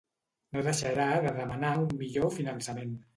No deixarà de demanar un millor finançament.